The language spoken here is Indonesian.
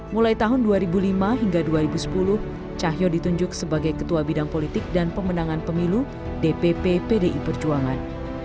mulai tahun dua ribu lima hingga dua ribu sepuluh cahyo ditunjuk sebagai ketua bidang politik dan pemenangan pemilu dpp pdi perjuangan